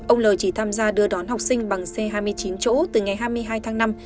ông l chỉ tham gia đưa đón học sinh bằng c hai mươi chín chỗ từ ngày hai mươi hai tháng năm